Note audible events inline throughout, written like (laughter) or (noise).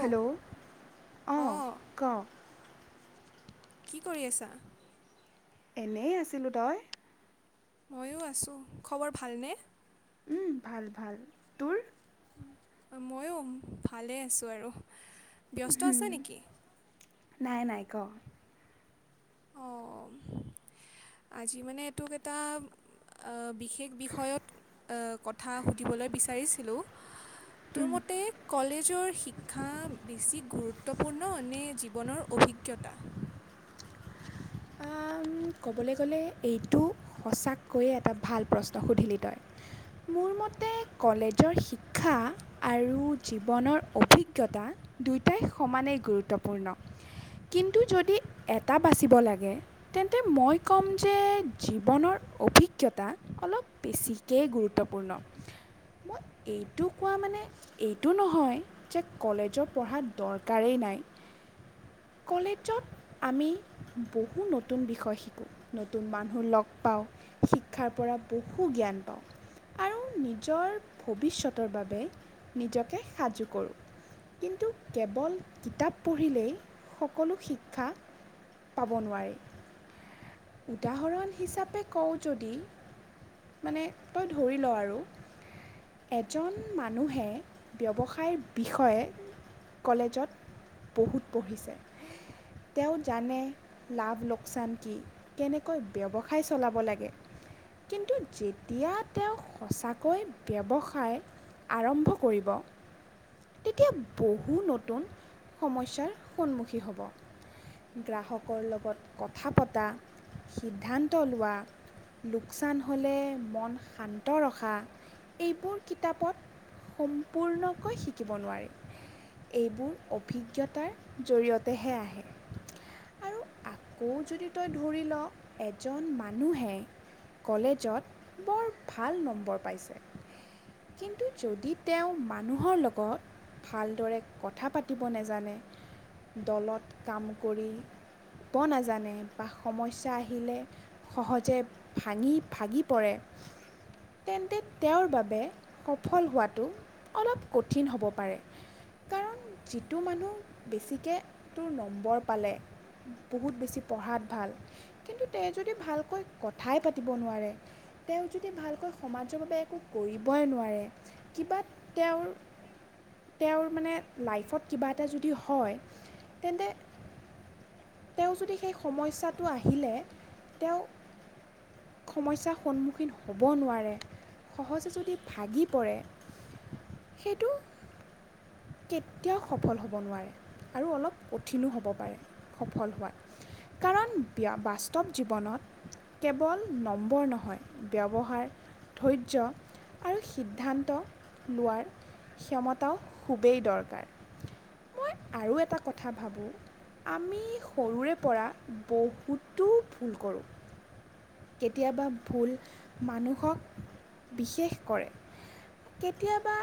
Hello অ', অঁ ক? কি কৰি আছা? এনেই আছিলোঁ, তই? ময়ো আছোঁ, খবৰ ভালনে? উম, ভাল ভাল তোৰ? ময়ো ভালেই আছোঁ আৰু, ব্যস্ত আছে নেকি? নাই, নাই ক? অ'। আজি মানে এইটোক এটা অ, বিশেষ বিষয়ত এ, কথা সুধিবলৈ বিচাৰিছিলো। তোৰ মতে কলেজৰ শিক্ষা বেছি গুৰুত্ব পূৰ্ণ নে, জীৱনৰ অভিজ্ঞতা? অ, উম, ক'বলৈ গ'লে এইটো সঁচাককৈয়ে এটা ভাল প্ৰশ্ন সুধিলি তই। মোৰ মতে কলেজৰ শিক্ষা আৰু জীৱনৰ অভিজ্ঞতা দুয়টাই সমানেই গুৰুত্বপূৰ্ণ কিন্তু যদি এটা বাচিব লাগ গে তেন্তে মই ক'ম যে জীৱনৰ অভিজ্ঞতা অলপ বেছিকে গুৰুত্বপূৰ্ণ। মই এইটো কোৱা মানে এইটো নহয় যে কলেজৰ পঢ়া দৰকাৰেই নাই। (inaudible) কলেজত আমি বহু নতুন বিষয় শিকো, নতুন মানুহ লগ পাওঁ শিক্ষাৰ পৰা বহু জ্ঞান পাওঁ। আৰু নিজৰ ভৱিষ্যতৰ বাবে নিজকে সাজু কৰোঁ। কিন্তু কেৱল কিতাপ পঢ়িলেই সকলো শিক্ষা পাব নোৱাৰে, উদাহৰণ হিচাপে কওঁ যদি মানে তই ধৰি লওঁ আৰু। এজন মানুহে ব্যৱসায়ৰ বিষয়ে কলেজত বহুত পঢ়িছে, তেওঁ জানে লাভ লোকচান কি? কেনেকৈ ব্যৱসায় চলাব লাগে? কিন্তু যেতিয়া তেওঁ সঁচাকৈ ব্যৱসায় আৰম্ভ কৰিব। তেতিয়া বহু নতুন সমস্যাৰ সন্মুখী হ'ব। গ্ৰাহকৰ লগত কথা পতা, সিদ্ধান্ত লোৱা। লোকচান হ'লে মন শান্ত ৰখা, এইবোৰ কিতাপত সম্পূৰ্ণকৈ শিকিব নোৱাৰি। এইবোৰ অভিজ্ঞতাৰ জৰিয়তেহে আহে। আৰু আকৌ যদি তই ধৰি ল' এজন মানুহে কলেজত বৰ ভাল নম্বৰ পাইছে। কিন্তু যদি তেওঁ মানুহৰ লগত ভালদৰে কথা পাতিব নাজানে দলত কাম কৰি ব নাজানে বা সমস্যা আহিলে সহজে ভাঙি ভাগি পৰে হয় তেন্তে তেওঁৰ বাবে সফল হোৱাটো অলপ কঠিন হ'ব পাৰে কাৰণ (inaudible) যিটো মানুহ বেছিকে তোৰ নম্বৰ পালে বহুত বেছি পঢ়াত ভাল কিন্তু তেওঁ যদি ভালকৈ কথাই পাতিব নোৱাৰে তেওঁ যদি ভালকৈ সমাজৰ বাবে একো কৰিবই নোৱাৰে কিবা তেওঁৰ তেওঁৰ মানে লাইফত কিবা এটা যদি হয় তেন্তে তেওঁ যদি সেই সমস্যাটো আহিলে, তেওঁ সমস্যাৰ সন্মুখীন হ'ব নোৱাৰে সহজে যদি ভাগি পৰে, সেইটো কেতিয়াও সফল হ'ব নোৱাৰে আৰু অলপ কঠিনো হ'ব পাৰে। সফল হোৱোত। কাৰণ বাস্তৱ জীৱনত কেৱল নম্বৰ নহয় ব্যৱহাৰ ধৈৰ্য আৰু সিদ্ধান্ত লোৱাৰ ক্ষমতাও খুবেই দৰকাৰ মই আৰু এটা কথা ভাবোঁ আমি সৰুৰে পৰা বহুতো ভুল কৰোঁ। কেতিয়াবা ভুল মানুহক বিশেষ কৰে। কেতিয়াবা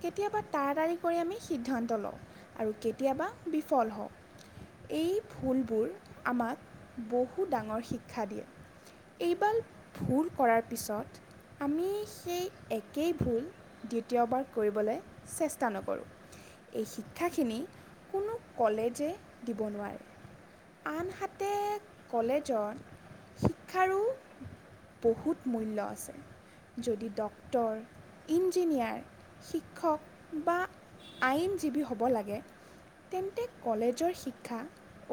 কেতিয়াবা তাৰা তাৰি কৰি আমি সিদ্ধান্ত লওঁ আৰু কেতিয়াবা বিফল হওঁ। এই ভুলবোৰ আমাক বহু ডাঙৰ শিক্ষা দিয়ে। এইবাল ভুল কৰাৰ পিছত আমি সেই একেই ভুল দ্বিতীয়বাৰ কৰিবলৈ চেষ্টা নকৰোঁ। এই শিক্ষাখিনি কোনো কলেজে দিব নোৱাৰে। আনহাতে কলেজত শিক্ষাৰো বহুত মূল্য আছে যদি ডক্তৰ, ইঞ্জিনিয়াৰ শিক্ষক বা আইনজীৱী হ'ব লাগে তেন্তে কলেজৰ শিক্ষা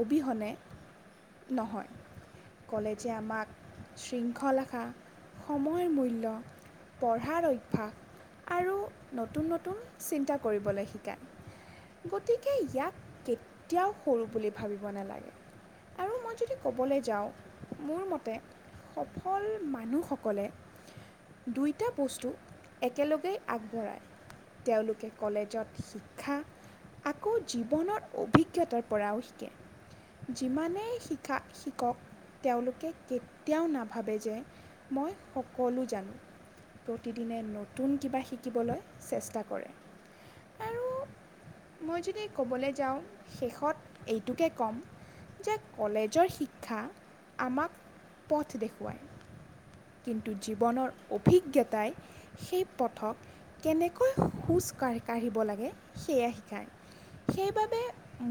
অবিহনে নহয়। কলেজে আমাক শৃংখলাখা সময়ৰ মূল্য পঢ়াৰ অভ্যাস আৰু নতুন নতুন চিন্তা কৰিবলে শিকায়। গতিকে ইয়াক কেতিয়াও সৰু বুলি ভাবিব নেলাগে। আৰু মই যদি কবলে যাওঁ মোৰ মতে সফল মানুহসকলে দুইটা বস্তু একেলগেই আগবঢ়ায়। তেওঁলোকে কলেজত শিক্ষা আকৌ জীৱনৰ অভিজ্ঞতাৰ পৰাও শিকে। যিমানেই শিকা শিকক তেওঁলোকে কেতিয়াও নাভাবে যে মই সকলো জানো। প্ৰতিদিনে নতুন কিবা শিকিবলৈ চেষ্টা কৰে। আৰু (inaudible) মই যদি ক'বলে যাওঁ শেষত এইটোকে ক'ম যে কলেজৰ শিক্ষা আমাক পথ দেখুৱায়। কিন্তু জীৱনৰ অভিজ্ঞতাই সেই পথক কেনেকৈ খোজ কাঢ়ি কাঢ়িব লাগে সেয়া শিকায়। সেইবাবে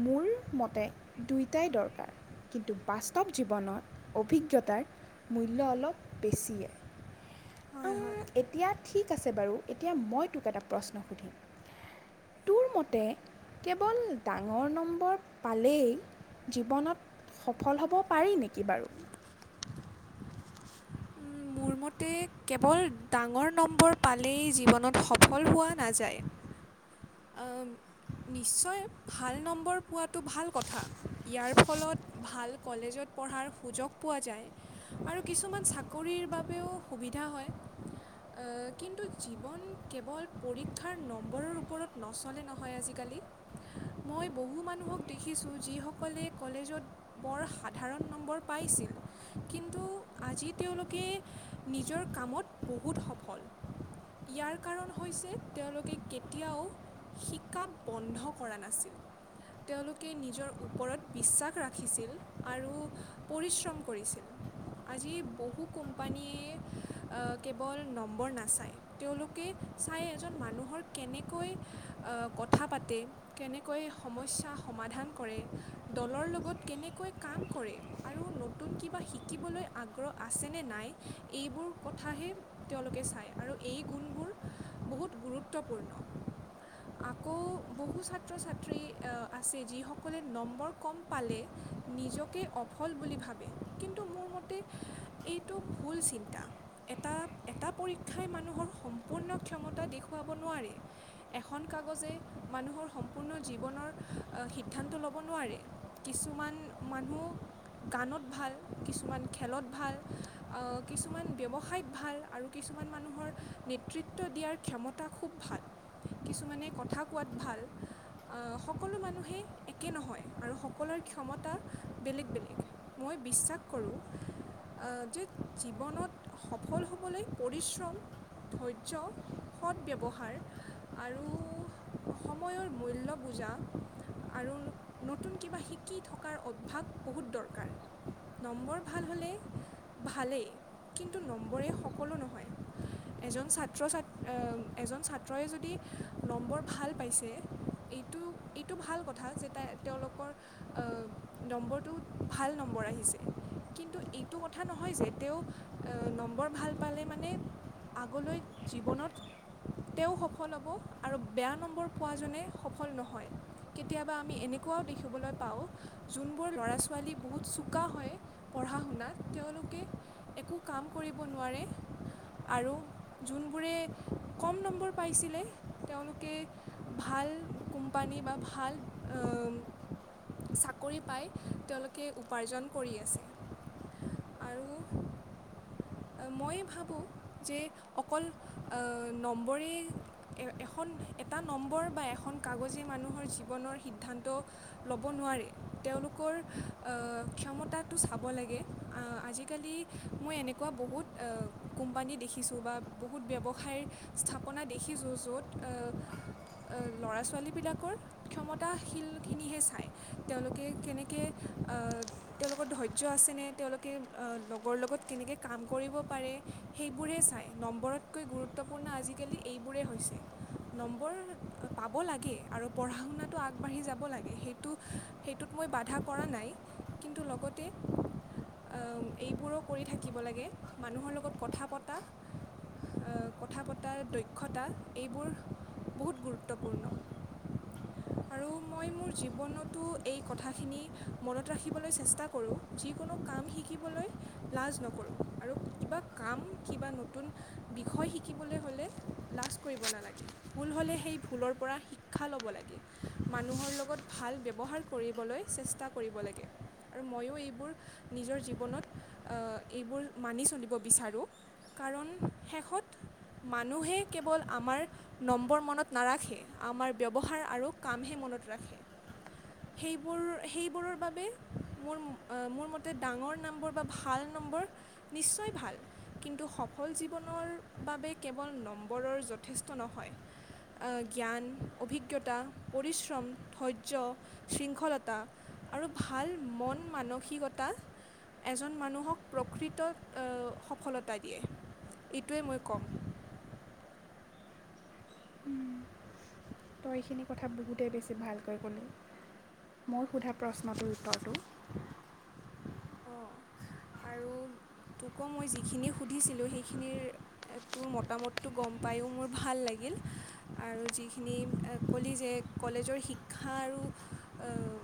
মোৰ মতে দুইটাই দৰকাৰ। কিন্তু, বাস্তৱ জীৱনত অভিজ্ঞতাৰ মূল্য অলপ বেছিয়ে। (inaudible) উম, এতিয়া ঠিক আছে বাৰু! এতিয়া মই তোক এটা প্ৰশ্ন সুধিম। তোৰমতে, কেৱল ডাঙৰ নম্বৰ পালেই জীৱনত সফল হ'ব পাৰি নেকি বাৰু? উম। মোৰমতে, কেৱল ডাঙৰ নম্বৰ পালেই জীৱনত সফল হোৱা নাযায়। আম নিশ্চয় ভাল নম্বৰ পোৱাটো ভাল কথা। ইয়াৰ ফলত ভাল কলেজত পঢ়াৰ সুযোগ পোৱা যায়, আৰু কিছুমান চাকৰিৰ বাবেও সুবিধা হয়। আ' কিন্তু জীৱন কেৱল পৰীক্ষাৰ নম্বৰৰ ওপৰত নচলে নহয় আজিকা কালি। মই বহু মানুহক দেখিছোঁ যিসকলে কলেজত বৰ সাধাৰণ নম্বৰ পাই ছিল। কিন্তু আজি তেওঁলোকে, নিজৰ কামত বহুত স'ফল। ইয়াৰ কাৰণ হৈছে তেওঁলোকে কেতিয়াও শিকাক বন্ধ কৰা নাছিল। তেওঁলোকে নিজৰ ওপৰত বিশ্বাস ৰাখিছিল আৰু পৰিশ্ৰম কৰিছিল। আজি বহু কোম্ পানীয়ে অ'- কেবল নম্বৰ নাচায়। তেওঁলোকে চায় এজন মানুহৰ কেনেকৈ অ'- কথা পাতে, কেনেকৈ সমস্যা সমাধান কৰে দলৰ লগত কেনেকৈ কাম কৰে আৰু নতুন কিবা শিকিবলৈ আগ্ৰহ আছেনে নাই এইবোৰ কথাহে তেওঁলোকে চায় আৰু এই গুণবোৰ বহুত গুৰুত্বপূৰ্ণ। অ'। আকৌ বহু ছাত্ৰ-ছাত্ৰী অ'- আছে, যিসকলে নম্বৰ কম পালে নিজকে অফল বুলি ভাবে। কিন্তু মোৰ মতে, এইটো ভুল চিন্তা। এটা- এটা পৰীক্ষাই মানুহৰ সম্পূৰ্ণ ক্ষমতা দেখুৱাব নোৱাৰে। এখন কাগজে মানুহৰ সম্পূৰ্ণ জীৱনৰ সিদ্ধান্ত ল'ব নোৱাৰে। কিছুমান মানুহ গানত ভাল, কিছুমান খেলত ভাল। অ' কিছুমান ব্যৱসায়ত ভাল আৰু কিছুমান মানুহৰ নেতৃত্ব দিয়াৰ ক্ষমতা খুব ভা ল। কিছুমানে কথা কোৱাত ভাল। অ'- সকলো মানুহে একে নহয় আৰু সকলোৰে ক্ষমতা বেলেগ - বেলেগ। মই বিশ্বাস কৰোঁ অ' যে জীৱনত সফল হ'বলৈ পৰিশ্ৰম ধৈৰ্য, সদ ব্যৱহাৰ আৰু সময়ৰ মূল্য বু জা আৰু নতুন কিবা শিকি থকাৰ অভ্যাস বহুত দৰকাৰ। নম্বৰ ভাল হ'লে ভালেই। কিন্তু নম্বৰেই সকলো নহয়। এজন ছাত্ৰ-ছাত- অ'- এজন ছাত্ৰই যদি নম্বৰ ভাল পাইছে এইটো এইটো ভাল কথা, যে তাই তেওঁলোকৰ অ, নম্বৰটো ভাল নম্বৰ। বৰ আহিছে, কিন্তু এইটো কথ কথা নহয় যে, তেওঁ অ, নম্বৰ ভাল পালে মানে আগলৈ জীৱনত তেওঁ সফল হ'ব, আৰু বেয়া নম্বৰ পোৱাজনে সফল নহয়। কেতিয়াবা আমি এনেকুৱাও দেখিবলৈ পাওঁ, য'ত কিছুমান লৰা-ছোৱালী বহুত চোকা হয় প পঢ়া -শুনাত। তেওঁলোকে একো কাম কৰিব নোৱাৰে আৰু যোনবোৰে কম নম্বৰ পাইছিলে তেওঁলোকে ভাল কোম্পানী বা ভাল চাকৰি পাই তেওঁলোকে উপাৰ্জন কৰি আছে। আৰু মই ভাবোঁ যে অকল নম্বৰে এখন এটা নম্বৰ বা এখন কাগজে মানুহৰ জীৱনৰ সিদ্ধান্ত ল'ব নোৱাৰে। তেওঁলোকৰ অ', ক্ষমতাটো চাব লাগে, অ', আজিকালি মই এনে কুৱা বহুত অ', কোম্পানী দেখিছোঁ বা বহুত ব্যৱসায়ৰ স্থাপনা দেখিছোঁ য'ত অ'। অ', ল'ৰা-ছোৱালীবিলাকৰ ক্ষমতাশীলখিনিহে চায়, তেওঁলোকে কেনেকে অ', তেওঁলোকৰ ধৈৰ্য্য আছে নে? তেওঁলোকে লগৰ লগত কেনেকে কাম কৰিব পাৰে, সেইবোৰেহে চাই নম্বৰতকৈ গুৰুত্বপূৰ্ণ আজিকালি এইবোৰেই হৈছে। নম্বৰ পাব লাগে আৰু পঢ়া-শুনাটো আগবাঢ়ি যাব লাগে সেইটো সেই ত মই বাধা কৰা নাই কিন্তু লগতে অ', এইবোৰো কৰি থাক কিব লাগে, মানুহৰ লগত কথা পতা। অ', কথা পতাৰ দক্ষতা এইবোৰ বহুত গুৰুত্বপূৰ্ণ। আৰু মই মোৰ জীৱনতো এই কথাখিনি মনত ৰাখিবলৈ চেষ্টা কৰোঁ। যিকোনো কাম শিকিবলৈ লাজ নক কৰোঁ আৰু কিবা কাম কিবা নতুন বিষয় শিকিবলৈ হ'লে লাজ কৰিব না নালাগে, ভুল হ'লে সেই ভুলৰ পৰা শিক্ষা ল'ব লাগে, মানুহৰ লগত ভাল ব্যৱহাৰ কৰিবলৈ চেষ্টা কৰিব লাগে আৰু ময়ো এইবোৰ নিজৰ জীৱনত অ' এইবোৰ মানি চলিব বিচাৰোঁ কাৰণ শেষত মানুহে কেৱল আমাৰ নম্বৰ মনত নাৰাখে, আমাৰ ব্যৱহাৰ আৰু কামহে মন নত ৰাখে। সেইবোৰ, সেইবোৰৰ বাবে মোৰ অ', মোৰ মতে ডাঙৰ নম্বৰ বা ভাল নম্বৰ নিশ্চয় ভাল কিন্তু সফল জীৱনৰ বাবে কেৱল নম্বৰৰ যথেষ্ ত নহয়। অ', জ্ঞান, অভিজ্ঞতা, পৰিশ্ৰম, ধৈৰ্য, শৃংখলতা। আৰু ভাল মন মানসিকতা, এজন মানুহক প্ৰকৃতত অ', সফলতা দিয়ে, এইটোৱেই মই কম। উম, তই এইখিনি কথা বহুতেই বেছি ভালকৈ ক'লি। মই সোধা প্ৰশ্নটোৰ উত্তৰটো অ'। আৰু তোকো মই যিখিনি সুধিছিলো সেইখিনিৰ তোৰ মতামতটো গম গম পায়ো মোৰ ভাল লাগিল আৰু যিখিনি ক'লি যে কলেজৰ শিক্ষা আৰু অ',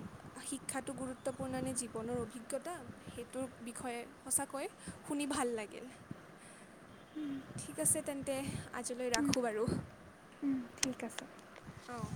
শিক্ষাটো গুৰুত্বপূৰ্ণ নে জীৱনৰ অভিজ্ঞতা? সেইটোৰ বিষয়ে সঁচাকৈ শুনি ভাল লাগিল। ঠিক আছে, তেন্তে আজিলৈ ৰাখো বাৰু। ঠিক আছে। অহ।